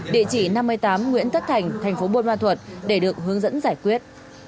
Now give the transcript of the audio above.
địa chỉ năm mươi tám nguyễn tất thành tp bồn hoa thuật để được hướng dẫn giải quyết